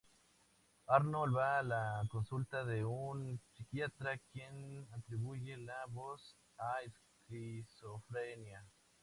Harold va a la consulta de un psiquiatra, quien atribuye la voz a esquizofrenia.